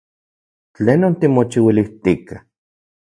¿Tlenon timochiuilijtika?